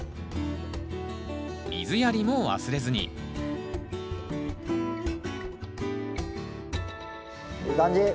水やりも忘れずにいい感じ。